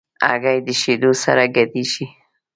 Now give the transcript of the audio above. هګۍ د شیدو سره ګډېږي.